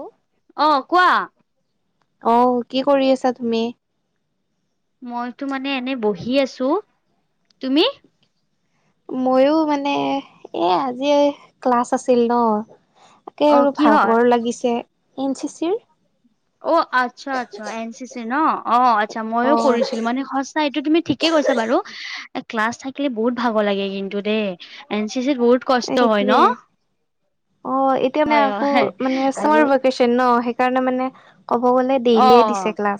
অ অ', কোৱা? অ কি কৰি আছা তুমি? মইটো মানে এনে বহি আছো, তুমি? মইও মানে এ আজি ক্লাছ আছিল ন। তাকে অ আৰু কিহৰ ভাগৰ লাগিছে। এন চি চিৰ। অ আচ্ছা আচ্ছা এন চি চি ন? অ আচ্ছা অ মইয়ো কৰিছিলো। মানে সচ এইটো তুমি ঠিকে কৈছা বাৰু। এ ক্লাছ থাকিলে বহুত ভাগৰ লাগে কিন্তু দেই। এন চি চিত বহুত কষ্ট হয় ন সেইটোৱে। অ এতিয়া মানে হয় আকৌ হয় মানে আৰু ছাৰহঁত [unintelligible] ন সেইকাৰণে মানে ক'ব গলে অ ডেইলিয়ে দিছে ক্লাছ।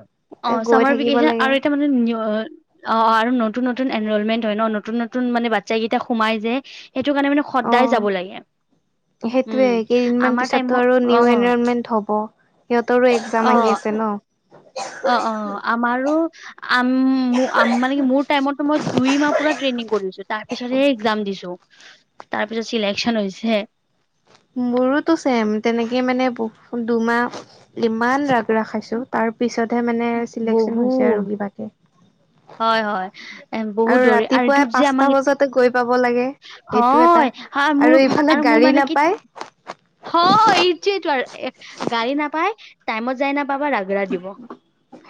অ এতিয়া গৈ চামাৰ থাকিব ভেকেচন লাগে আৰু এতিয়া মানে নি অ অ-অ আৰু নতুন নতুন এনৰলমেন্ট হয় ন, নতুন নতুন মানে বাচ্ছা কেইটা সোমাই যে সেইটো কাৰণে মানে সদায় যাব লাগে। উম সেইটোৱে কেইদিনমান আমাৰ পিছতটো টাইমত আৰু অ নিউ এনৰলমেন্ট হ'ব। সিহঁতৰো এক্সাম আহি আছে ন। অ-অ আমাৰো আম মু মানে মোৰ টাইমত মই দুই মাহ পৰা ট্ৰেইনিং কৰিছো। তাৰ পিছতহে এক্সাম দিছো। তাৰ পিছত চিলেকচন হৈছে। মোৰোতো চেম। তেনেকে মানে ব দুমাহ ইমান ৰাত ৰাখাইছো। তাৰ পিছতহে মানে চিলেকচন হৈছে বহুত আৰু কিবাকে। হয়, হয়। এ বহুত দৌৰে আৰু ৰাতিপুৱাই এইটোত যে পাঁচটা আমাক, বজাতে গৈ পাব লাগে সেইটো এটা হয় হা মোৰ ইফালে আৰু মোৰ গাড়ী মানে কি নাপায় হয় এইটোৱেটো আৰু গাড়ী নাপাই টাইমত যাই নাপাবা ৰাগৰা দিব।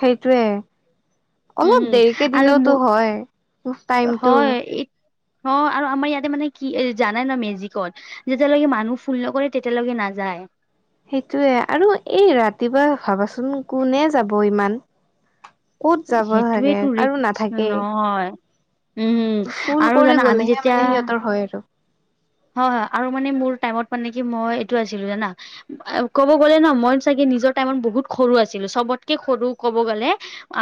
সেইটোৱে। উম, অলপ হম দেৰিকে আৰু দিলেওতো মোৰ হয় টাইমটো। হয় এই অ আৰু আমাৰ ইয়াতে মানে কি জানাই ন মেজিকত যেতিয়ালৈকে মানুহ ফুল নকৰে তেতিয়ালৈকে নাযায়। সেইটোৱে আৰু এই ৰাতিপুৱা ভাবাচোন কোনে যাব ইমান। ক'ত যাব চাগে, কাৰো নাথাকেই। হয়। ফুল কৰি গ'লেহে যেতিয়া মানে সিহঁতৰ হয় আৰু। হয় হয় আৰু মানে মোৰ টাইমত মানে কি মই এইটো আছিলো জানা। ক'ব গ'লে ন মই চাগে নিজৰ টাইমত বহুত সৰু আছিলো, চবতকে সৰু ক'ব গ'লে।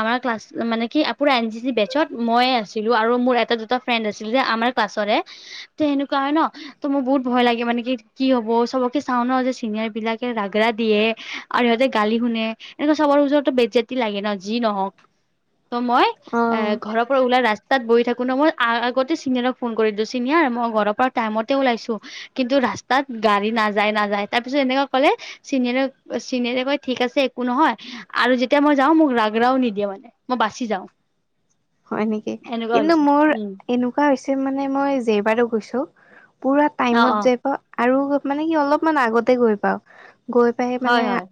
আমাৰ ক্লাছ মানে কি পুৰা এন চি চি বেচত মই আছিলো আৰু মোৰ এটা, দুটা ফ্ৰেণ্ড আছিল যে আমাৰ ক্লাছৰে ত সেনেকুৱা হয় ন ত' মোৰ বহুত ভয় লাগে মানে কি, কি হ'ব চবকে চাও ন যে চিনিয়ৰবিলাকে ৰাগৰা দিয়ে। আৰু সিহঁতে গালি শুনে। এনেকুৱা চবৰ ওচৰতটো বেজ্জতি লাগে ন যি নহওক। ত মই এ অ ঘৰৰ পৰা ওলাই ৰাচ তাত বহি থাকো ন। মই আগতে চিনিয়ৰক ফোন কৰি দিও চিনিয়ৰ মই ঘৰৰ পৰা টাইমতে ওলাইছো। কিন্তু ৰাস্তাত গাড়ী নাযায়, নাযায়। তাৰ পিছত এনেকুৱা ক'লে চিনিয়ৰে চিনিয়ৰে ক'য় ঠিক আছে একো নহ'য়। আৰু যেতিয়া মই যাওঁ মোক ৰাগৰাও নিদিয়ে মানে, মই বাছি যাওঁ। হ'য় নেকি? এনেকুৱা কিন্তু হৈছে মোৰ উম এনেকুৱা হৈছে মানে মই যেইবাৰো গৈছো পোৰা টাইমত যে অ আৰু মানে কি অলপমান আগতে গৈ পাও। গৈ পাই হয় মানে হয়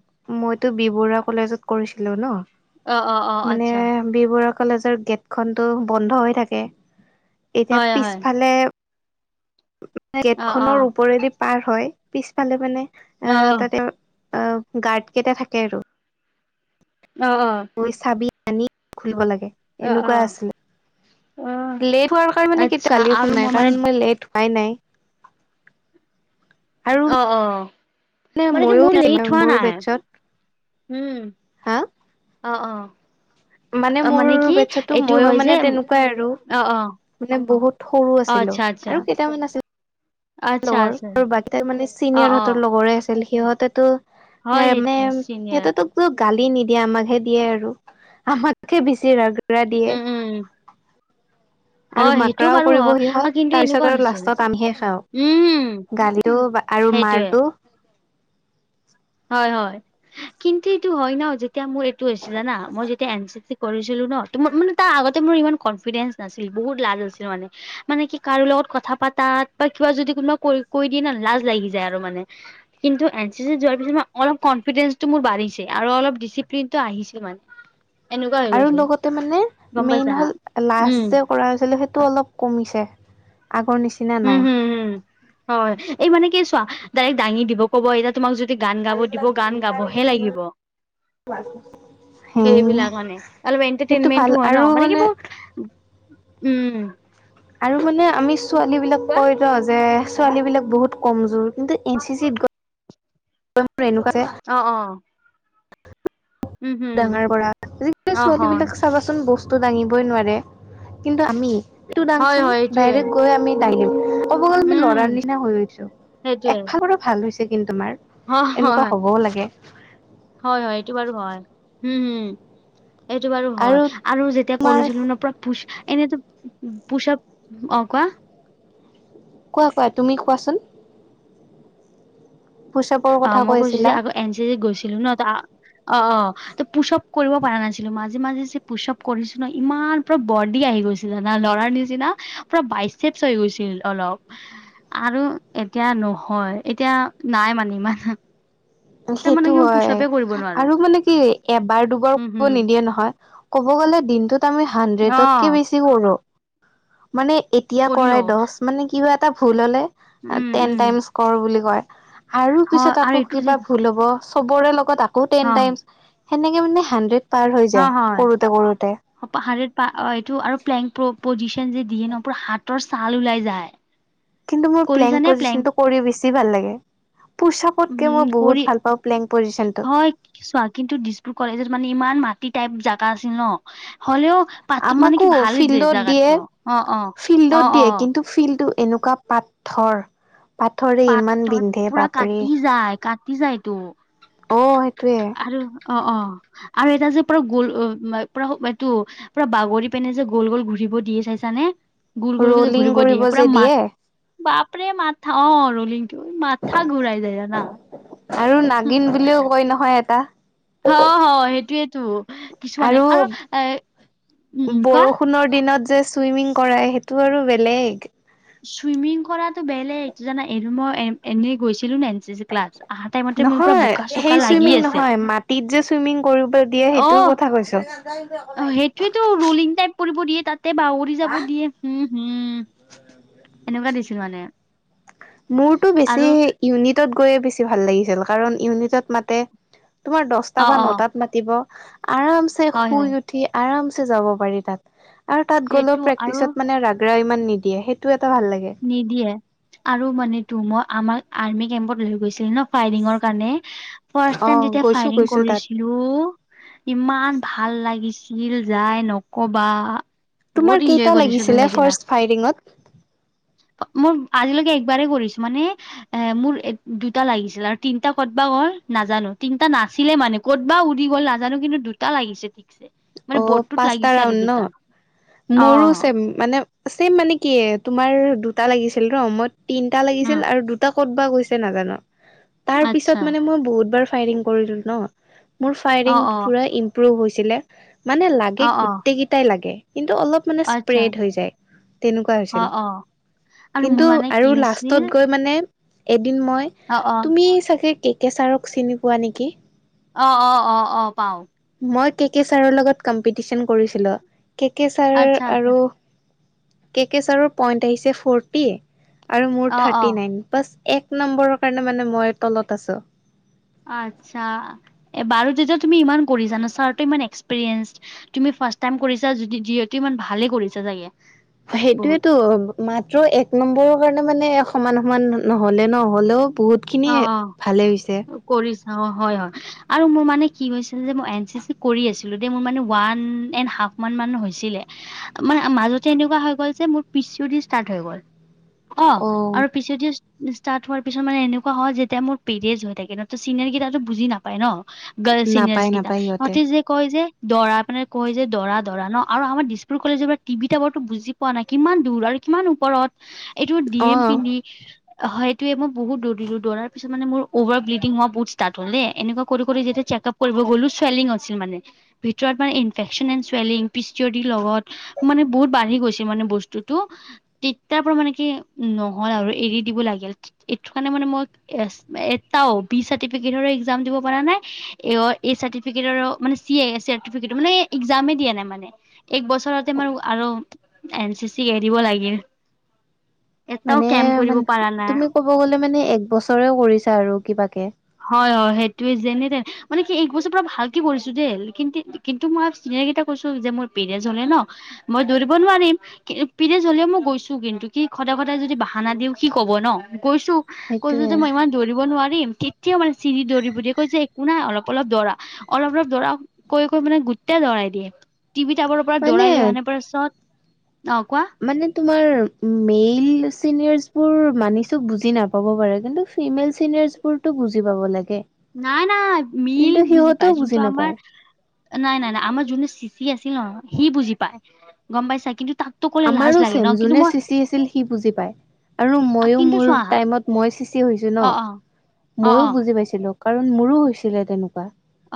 মইতো বি বৰুৱা কলেজত কৰিছিলো ন। অ অ অ মানে আচ্ছা বি বৰুৱা কলেজৰ গেটখনতটো বন্ধ হৈ থাকে। এতিয়া হয় হয় পিছফালে অ অ গেটখনৰ ওপৰেদি পাৰ হৈ পিছফালে মানে অ তাতে অ গাৰ্ডকেইটা থাকে আৰু। অ, অ। মই চাবি আনি খুলিব লাগে, অ অ এনেকুৱা আছিলে। অ লেট হোৱাৰ কাৰণ মানে আচ্ছা কেতিয়াবা গালি আৰু শুনায়। মানে কাৰণ মই লেট হোৱাই নাই। আৰু অ' অ'। মানে কি মোৰ লেট হোৱা মোৰ নাই। বেটছত উম। হা! অ' অ'। মানে অ মোৰ কি বেটচততো এইটো ময়ো হয় যে মানে তেনেকুৱাই আৰু! অ অ মানে বহুত সৰু অ আছিলো, আচ্ছা আচ্ছা আৰু কেইটামান আছিল! আচ্ছা লগৰ, আচ্ছা আৰু বাকীকেইটা মানে অ অ চিনিয়ৰহঁতৰ লগৰে আছিল, সিহঁতেতো হয় এ সেই মানে, চিনিয়ৰ সিহঁতেতো গালি নিদিয়ে, আমাকহে দিয়ে আৰু! আমাতকে বেছি ৰাগ উম উম। আৰু হয় সেইটো মাকৰাও বাৰু কৰিব হয় সিহঁত। কিন্তু এনেকুৱা তাৰপিছত আৰু হৈছিল লাষ্টত আমিহে খাওঁ। উম গালিটো আৰু সেইটোয়ে মাৰটো! হয় হয়। কিন্তু এইটো হয় ন যেতিয়া মোৰ এইটো হৈছিলেনা! মই যেতিয়া এন-চি-চি কৰিছিলো ন? মোৰ মানে তাৰ আগতে মোৰ ইমান কনফিডেন্ঞ্চ নাছিল, বহুত লাজ আছিল মানে! মানে কি কাৰো লগত কথা পাতাত, বা কিবা যদি কোনোবা ক -কৈ দিয়ে ন! লাজ লাগি যায় আৰু মানে! কিন্তু এন-চি-চি যোৱাৰ অলপ কনফিডেন্ঞ্চটো মোৰ বাঢ়িছে, আৰু অলপ ডিচিপ্লিনটো আহিছে মানে! এনেকুৱা হৈ আৰু গৈছে লগতে মানে, গম মেইন পাইছা হ'ল উম লাষ্ট যে কৰা হৈছিলে সেইটো অলপ কমিছে। আগৰ নিচিনা উম, নাই হুম হুম, হয়। এই মানে কি চোৱা, ডাইৰেক্ট দাঙি দিব। ক'ব এতিয়া। তোমাক যদি গান গাব দিব, গান গাবহে লাগিব। সেইবিলাক সেইটো মানে। অলপ ভাল এন্টাৰটেইনমেন্টো হয় আৰু ন? মানে কি বহুত উম। আৰু মানে আমি ছোৱালীবিলাক কোৱা কয় ন যে, ছোৱালীবিলাক বহুত কমজোৰ। কিন্তু এন-চি-চিত গৈ এনেকুৱা যে অ' অ'। উম হম ডাঙৰ কৰা, আজিকালি অ হয় ছোৱালীবিলাক চাবাচোন, বস্তু দাঙিবই নোৱাৰে। কিন্তু আমি, ইটো হয় দাঙচোন। হয় এইটোয়ে ডাইৰেক্ট গৈ আমি ক'ব গ'লে আমি উম ল'ৰাৰ নিচিনা হৈ গৈছো। সেইটোয়ে একফালৰ পৰা ভাল হৈছে কিন্তু তোমাৰ! হয় এনেকুৱা হয় হ'বও লাগে। হয় হয় এইটো বাৰু হয়। উম হুম। এইটো বাৰু হয়। আৰু যেতিয়া তোমাৰ কৰিছিলো ন পুৰা পুচ, এনেইতো পুচ আপ, অ' কোৱা। কোৱা কোৱা, তুমি কোৱাচোন! পুচাপৰ কথা অ' মই কৈ কৈছো যে আছিলা আকৌ এন-চি-চিত গৈছিলো ন! ত অ' অ'। ত পুছআপ কৰিব পৰা নাছিলো মই। আজি যে পুছআপ কৰিছো ন! ইমান পুৰা বডি আহি গৈছে। জানা ল'ৰাৰ নিচিনা। পুৰা বাইচেপচ হৈ গৈছিল অলপ। আৰু এতিয়া নহয়! এতিয়া নাই মানে ইমান। এতিয়া মানে সেইটো কি মই হয়। পুচাপে কৰিব নোৱাৰো আৰু মানে কি এবাৰ দুবাৰ উম হম কৰিব নিদিয়ে নহয়! ক'ব গ'লে দিনটোত আমি অ হাণ্ড্ৰেডতকে বেছি কৰো। মানে এতিয়া কৰি কৰাই লও দশ, মানে কি হয় কিবা এটা ভুল হ'লে উম টেন উম টাইমছ কৰ বুলি কয়। আৰু হয় পিছত আৰু আকৌ এইটো যে কিবা ভুল হ'ব। সবৰে লগত আকৌ টেন অ টাইমছ। হেনেকে মানে হাণ্ড্ৰেড পাৰ হৈ যায়, কৰোঁতে কৰোঁতে। পাহাৰৰ পৰা, এইটো আৰু প্লেং পজিচন যে দিয়ে ন! পুৰা হাতৰ ছাল ওলাই যায়। কিন্তু মোৰ প্লেং পজিচনটো কৰি বেছি ভাল লাগে। পুছআপতকে উম মই কৰি বহুত ভাল পাওঁ প্লেং পজিচনটো। হয় চোৱা কিন্তু, দিছপুৰ কলেজত মানে ইমান মাটি টাইপ জাগা আছিল ন! হ'লেও পাত মানে আমাকো কি ভালেই যে ফিল্ডত দিয়ে জেগাতো। অ' অ'। ফিল্ডত অ' দিয়ে অ'। কিন্তু ফিল্ডটো এনেকুৱা পাথৰ পাথৰে ইমান পাতত বিন্ধে পুৰা বাপৰে কাটি যায় কাটি যায়টো অ সেইটোৱে। অ অ আৰু এটা যে পুৰা গল পৰা এইটো পুৰা বাগৰি পেনে যে গৌল গৌল ঘূৰিব দিয়ে চাইছানে? গুল গুলকে যে ৰলিং ঘূৰিব কৰিব দিয়ে পুৰা যে মা বাপৰে মাথা অ ৰোলিংটো মাথা ঘূৰাই যায় জানা? আৰু নাগিন বুলিও কয় নহয় এটা। হ হ সেইটোৱেটো। আৰু উম, কোৱা বৰষুণৰ দিনত যে ছুইমিং কৰাই সেইটো আৰু বেলেগ চুইমিং কৰাটো বেলেগ এইটো জানা এই মই এনেই গৈছিলো নে এন চি চি ক্লাছত নহয় সেই চুইমিং আছে নহয় মাত ত যে চুইমিং কৰিব দিয়ে সেইটোৰ কথা কৈছোঁ এইটোয়েতো ৰোলিং টাইপ কৰিব দিয়ে তাতে বাগৰি যাব দিয়ে উম হম এনেকুৱা দিছিল মানে মোৰটো বেছি আৰু ইউনিটত গৈয়ে বেছি ভাল লাগিছিল কাৰণ ইউনিটত মাতে তোমাৰ অ', দছটা বা অ' নটাত মাতিব আৰামছে হয়, হয়। শুই উঠি আৰামছে যাব পাৰি তাত আৰু তাত সেইটো গ'লেও আৰু প্ৰেক্টিচত মানে ৰাগৰা ইমান নিদিয়ে সেইটোও এটা ভাল লাগে নিদিয়ে আৰু মান তো মই আমাৰ আৰ্মি কেম্পত লৈ গৈছিল ন ফাইৰিঙৰ কাৰণে ফাচ অ টাইম যেতিয়া গৈছো ফায়ং গৈছো তাত কৰিছিলো। টো ইমান ভাল লাগিছিল যাই নকবা। বহুত তোমাৰ ইনজয় কেইটা কৰিছিলো লাগিছিলে সেইদিনা ফাৰ্ষ্ট ফাইটিঙত। মোৰ আজিলৈকে একবাৰেই কৰিছো মানে এ মোৰ দুটা লাগিছিল আৰু তিনটা কতবা গল নাজানো তিনটা নাছিলে মানে ক'ত বা উৰি গ'ল নাজানো কিন্তু দুটা লাগিছে অ মানে বটটোত পাঁচটা লাগিছে ৰাউণ্ড আৰু ন দুটা অ মোৰো চেম মানে ছেম মানে কি তোমাৰ দুটা লাগিছিল ন মই তিনটা লাগিছিল উম আৰু দু ক'ত বা গৈছে নাজানো তাৰ পিছত আচ্ছা মানে মই বহুত বাৰ ফায়াৰিং কৰিলো ন মোৰ ফায়াৰিং অ অ পুৰা ইম্প্ৰুভ হৈছিলে মানে লাগে অ অ গোটেই কেইটাই লাগে কিন্তু অলপ মানে আচ্ছা স্প্ৰেড হৈ যায় তেনেকুৱা অ হৈছিল। অ আৰু মোৰ কিন্তু মানে কি আৰু লাষ্টত হৈছিল গৈ মানে। এদিন মই অ অ তুমি চাগে কে কেচাৰক চিনি পোৱা নেকি। অ অ অ অ পাওঁ। মই কে কে ছাৰৰ লগত কম্পিটিচন কৰিছিলো কে কে ছাৰ আচ্ছা আচ্ছা আৰু। কেকেচাৰ পইন্ট আহিছে ফৰটি আৰু মোৰ অ অ থাৰ্টি নাইন। বাছ এক নম্বৰৰ কাৰণে মানে মই তলত আছো। আচ্ছা এ বাৰু তেতিয়া তুমি ইমান কৰিছানা ছাৰত ইমান এক্সপিৰিয়েঞ্চ। তুমি ফাৰ্ষ্ট টাইম কৰিছা য যিহেতু ইমান ভালে কৰিছা চাগে। বহুত সেইটোয়েতো। মাত্ৰ এক নম্বৰৰ কাৰণে মানে সমান সমান নহ'লে নহ'লেও বহুত। বহুতখিনি ভালেই হৈছে। কৰি চাওঁ হয় হয়। আৰু মোৰ মানে কি হৈছিলে যে মই এন চি চি কৰি আছিলো দ মোৰ মানে ওৱান এড হাফ মান মান হৈছিলে। ম মাজতে এনেকুৱা হৈ গ'ল যে মোৰ পিচি দি ষ্টাৰ্ট হৈ গ'ল। অ আৰু পিছেদি ষ্টাৰ্ট হোৱাৰ পিছত মানে এনো। কোৱা হয় যেতিয়া মোৰ পিৰিজ হৈ থাকে ন চিনিয়াৰ কেইতো বুজি নাপ। পাই ন গল চিনিয়েচ নাপায় গীতা নাপায় সিহঁতে ইহতে যে। কয় যে দৰা মানে কয় যে দৰা দৰা ন আৰু আমাৰ দিছপুৰ কলেজৰ পৰা টিভি টাবৰটো বুজি। পোৱা নাই কিমান দূৰ আৰু কিমান ওপৰত। এইটো ডি অ এম পিনি হয়টোয়ে মই বহুত দৌৰিলো। দৌৰাৰ পিছত মানে মোৰ অভাৰ ব্লিডিং হোৱা বহুত ষ্টাৰ্ট হ'ল দে। এনেকুৱা কৰি কৰি যেতিয়া চেকআপ কৰিব গ'লো চুৱেলিং হৈছিল মানে। ভিতৰত মানে infection and swelling P C' O D ৰ লগত। মানে বহুত বাঢ়ি গৈছে মানে বস্তুটো। তেতিয়াৰ পৰা মানে কি, নহ'ল আৰু, এৰি দিব লাগিল। এইটো কাৰণে মানে মই ইয়েছ, এট্টাও বি চাৰ্টিফিকেটৰে এক্জাম দিব পাৰা নাই অৰ এ চাৰ্টিফিকেটৰো মানে চি এ চাৰ্টিফিকেট মানে এক্জামে দিয়া নাই মানে। এক বছৰতে মাৰো আৰু এন চি চি এৰিব লাগিল। এটাও মানে কেম্প কৰিব মান পৰা নাই তুমি ক'ব গলে মানে এক বছৰেও কৰিছা আৰু কিবাকে। হয় হয় সেইটোৱে যেনে-তেনে মানে কি এই বছৰ পুৰা ভালকে কৰিছো দেই কিন্তু কিন্তু মই চিনিয়েৰ কেইটা কৈছো যে মোৰ পিৰিয়েডছ হ'লে ন মই দৌৰিব নোৱাৰিম। পিৰিয়েডচ হ'লেও মই গৈছো কিন্তু কি সদায় সদায় যদি বাহানা দিও কি কব ন? গৈছো। কৈছো সেইটোয়ে যে মই ইমান দৌৰিব নোৱাৰিম তেতিয়াও মানে চিৰি দৌৰিবলে কৈছে যে একো নাই অলপ অলপ দৌৰা অলপ অলপ দৌৰা কৈ কৈ মানে গোট্টাই দৌৰাই দিয়ে। টিভি টাৱাৰৰ পৰা মানে দৌৰাই লৈ আনাৰ পাছত, অ কোৱা। মানে তোমাৰ মেইল চিনিয়ৰচ বোৰ মানিছো বুজি নাপাব পাৰে কিন্তু ফিমেল চিনিয়ৰচ বোৰটো বুজি পাব লাগে। নাই নাই মেল কিন্তু বুজি পাই সিহঁতেও যোনটো আমাৰ নাপায় নাই নাই নাই আমাৰ যোনটো চিচি আছিল ন সি বুজি পায় গম পাইছা? কিন্তু তাক আমাৰো চেম যোনে চিচি আছিল সি বুজি পায়। আৰু মইয়ো কিন্তু মোৰ চোৱা হা টাইমত মই চি চি হৈছো ন অ অ অ অ ময়ো বুজি পাইছিলো। কাৰণ মোৰো হৈছিলে তেনেকুৱা।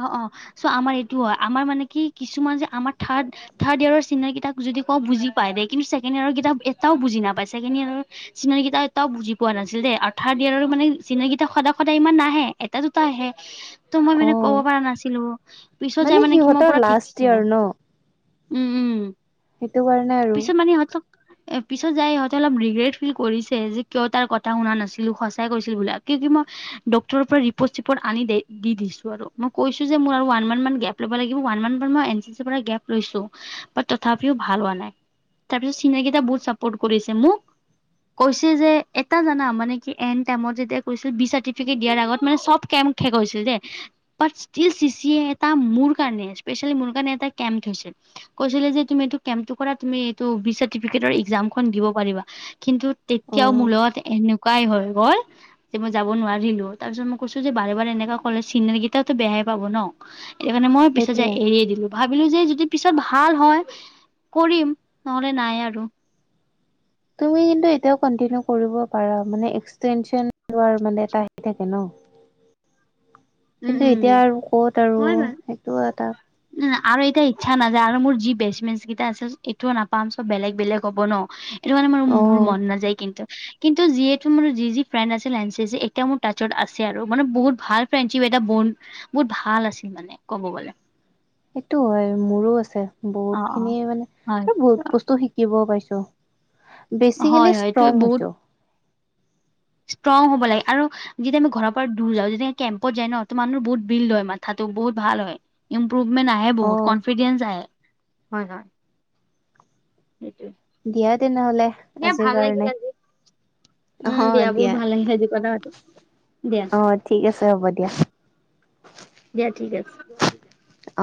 অ অ চ' আমাৰ এইটো হয় আমাৰ মানে কি কিছুমান যে আমাৰ থাৰ্ড থাৰ্ড ইয়েৰৰ চিনা কেইতাক যদি কওঁ বুজি পায় দে কিন্তু ছেকেণ্ডইয়াৰৰ কেইতা এটাও বুজি নাপায়। ছেকেণ্ড ইয়েৰৰ চিন কিটা এটাও বুজি পোৱা নাছিল দেই আৰু থাৰ্ড ইয়াৰৰো মানে চিনাকিটা সদায় সদায় ইমান নাহে এটা দুটা আহে। ‌ [inaudible] ত মই মানে ক'ব পৰা নাছিলো পিছত যাই মানে কি মোৰ সিহঁতৰ পুৰা লাষ্ট ঠিকছে ইয়াৰ ন উম উম, সেইটো কাৰণে আৰু পিছত মানে ইহঁতক এ পিছত যাই ইহঁতে অলপ ৰিগ্ৰেট ফিল কৰিছে যে কিয় তাৰ কথা শুনা নাছিলো সঁচাই কৈছিল বোলে আত কি কি মই ডক্টৰৰ পৰা ৰিপৰ্ট-চিপৰ্ট আনি দে দি দিছো আৰু। মই কৈছো যে মোৰ আৰু ওৱান মান মান গেপ ল'ব লাগিব ওৱান মান মান মই এন চি চি পৰা গেপ লৈছো। বাট তথাপিও ভাল হোৱা নাই তাৰপিছ চিনাকিটা বহুত চাপোৰ্ট কৰিছে মোক কৈছে যে এটা জানা মানে কি এন টাইমত যেতিয়া কৈছিল বি চাৰ্টিফিকেট দিয়াৰ আগত মানে চব কেম শেষ হৈছে যে but still C C A এটা মোৰ কাৰণে স্পেচিয়েলি মোৰ কাৰণে এটা কেম্প থৈছিল। কৈছিলে যে তুমি এইটো কেম্পটো কৰা তুমি এইটো বি চাৰ্টিফিকেটৰ এক্জাম খন দিব পাৰিবা কিন্তু অ তেতিয়াও মোৰ লগত এনেকু ৱা হয় গল যে মই যাব নোৱাৰিলো তাৰপিছত মই কৈছো যে বাৰে বাৰে এনেকা কলে চিনিয়ৰ গে টা তো বেয়াই পাব ন? এই মানে মই পিছত যে সেইটোয়ে এৰিয়ে দিলো। ভাবিলো যে যদি পিছত ভাল হয় কৰিম, নহ'লে নাই আৰু। তুমি কিন্তু এতিয়াও কন্টিনিউ কৰিব পাৰা মানে এক্সটেনচন লোৱাৰ মানে এটা হেৰি থাকে ন! উম কিন্তু উম এতিয়া আৰু ক'ত আৰু সেইটো এটা উম আৰু এতিয়া ইচ্ছা নাযায় আৰু মোৰ যি বেচ মেচ গেইটা আছিল এইটোও নাপাম চব বেলেগ বেলেগ হ'ব ন এইটো মানে মোৰ অ মোৰ মন নাযায় কিন্তু। কিন্তু, যিহেতু মানে যি যি ফ্ৰেণ্ড আছিল এন চি চি এতিয়া মোৰ টাট্চত আছে আৰু মানে বহুত ভাল ফ্ৰেণ্ডশ্বিপ এটা বণ্ড বহুত ভাল আছিল মানে ক'ব গলে। সেইটো হয় মোৰো আছে অ বহুত অ খিনি মানে হয় আৰু বহুত বস্তু শিকিব পাইছো হয় বেচিকেলি হয় এইটো ষ্ট্ৰং বহুত হৈছো। ষ্ট্ৰং হ'ব লাগে আৰু যেতিয়া আমি ঘৰৰ পৰা দূৰ যাওঁ যেতিয়া আমি কেম্পত যায় ন তো মানুহ বহুত বিল্ড হয় মাথাতো বহুত ভাল হয়। ইম্প্ৰোভমেন্ট আহে অ বহুত কনফিডেন্চ আহে। হয় হয়। সেইটোৱে। দিয়া তেনেহলে দিয়া আজিৰ ভাল লাগিল কাৰণে। আজি উম দিয়া বহুত ভাল লাগিল আজি কথা পাতি দিয়া। অ', ঠিক আছে হ'ব দিয়া। দিয়া ঠিক আছে। অ'।